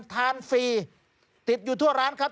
ฟรีติดอยู่ทั่วร้านครับ